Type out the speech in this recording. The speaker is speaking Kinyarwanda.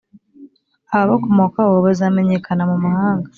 ababakomokaho bazamenyekana mu mahanga,